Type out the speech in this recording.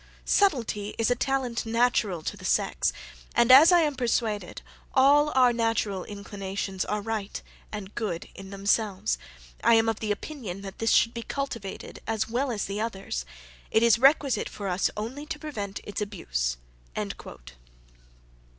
Subtilty is a talent natural to the sex; and as I am persuaded, all our natural inclinations are right and good in themselves, I am of opinion this should be cultivated as well as the others: it is requisite for us only to prevent its abuse."